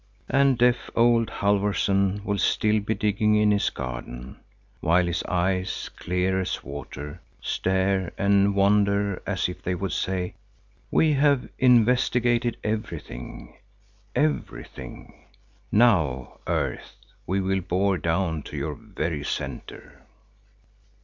And deaf old Halfvorson will still be digging in his garden, while his eyes, clear as water, stare and wander as if they would say: "We have investigated everything, everything; now, earth, we will bore down to your very centre."